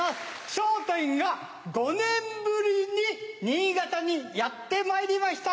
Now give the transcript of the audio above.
『笑点』が５年ぶりに新潟にやってまいりました。